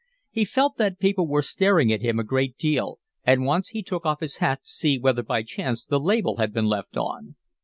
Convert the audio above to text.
He felt that people were staring at him a great deal, and once he took off his hat to see whether by chance the label had been left on.